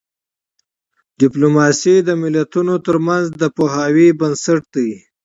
ډیپلوماسي د ملتونو ترمنځ د تفاهم بنسټ دی.